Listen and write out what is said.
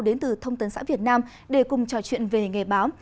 đến từ thông tấn xã việt nam để cùng trò chuyện về nghề báo